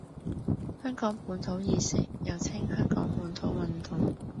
香港本土意識，又稱香港本土運動